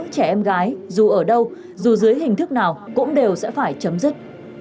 trẻ em gái dù ở đâu dù dưới hình thức nào cũng đều sẽ phải chấm dứt